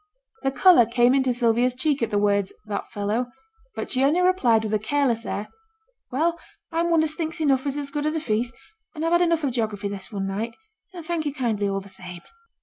The colour came into Sylvia's cheek at the words 'that fellow'; but she only replied with a careless air 'Well, I'm one as thinks enough is as good as a feast; and I've had enough of geography this one night, thank you kindly all the same.'